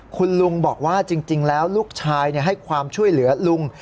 คุณลุงบอกว่าจริงแล้วลูกชายให้ความช่วยเหลือลุง